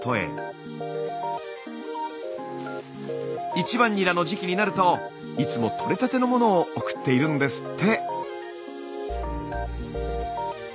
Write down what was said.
１番ニラの時期になるといつも取れたてのものを送っているんですって。